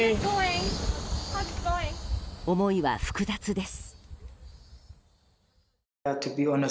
思いは複雑です。